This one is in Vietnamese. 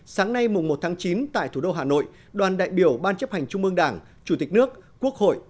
sáng nay mùng một tháng chín tại thủ đô hà nội đoàn đại biểu ban chấp hành trung ương đảng chủ tịch nước quốc hội